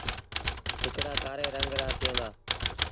هڪڙآ ڪآري رنگ رآ ٿئيٚݩ دآ۔